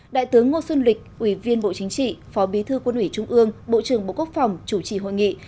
đại tướng ngô xuân lịch ủy viên bộ chính trị phó bí thư quân ủy trung ương bộ trưởng bộ quốc phòng chủ trì hội nghị